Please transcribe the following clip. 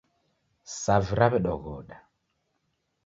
Savi rawedoghoda